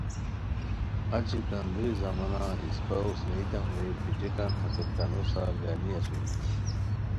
اچی کندوری زمانا اسپہ اوسنئیتام رے پیٹیکان ہتے کانو سارگانی اسونی